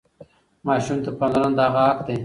ماسوم ته پاملرنه د هغه حق دی.